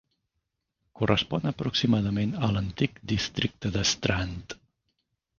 Correspon aproximadament a l'antic districte de Strand.